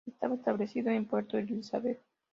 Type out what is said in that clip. Estaba establecido en Puerto Elizabeth.